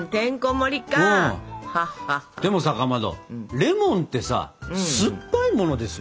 でもさかまどレモンってさ酸っぱいものですよね？